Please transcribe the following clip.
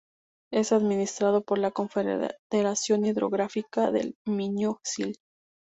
Es administrado por la Confederación Hidrográfica del Miño-Sil.